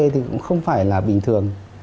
thì cũng không phải là bình thường